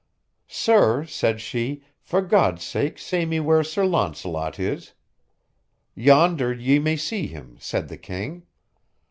Sir, said she, for God's sake say me where Sir Launcelot is. Yonder ye may see him, said the king.